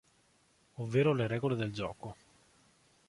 Ovvero le regole del gioco.